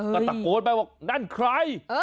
ก็ตะโกนไปบอกนั่นใคร